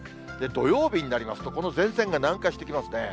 土曜日になりますと、この前線が南下してきますね。